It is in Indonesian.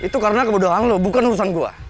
jadi bukan urusan gua